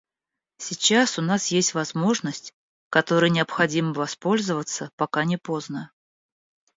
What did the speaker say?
Сейчас у нас есть возможность, которой необходимо воспользоваться, пока не поздно.